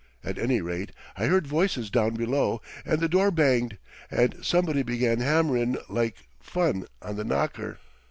At any rate, I heard voices down below, and the door banged, and somebody began hammerin' like fun on the knocker."